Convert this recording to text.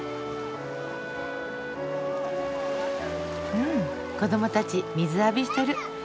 うん子どもたち水浴びしてる。